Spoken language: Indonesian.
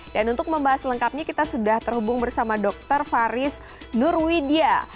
dan untuk membahas lengkapnya kita sudah terhubung bersama dokter faris nurwidya